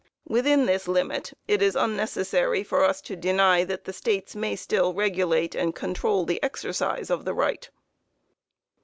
Within this limit, it is unnecessary for us to deny that the States may still regulate and control the exercise of the right.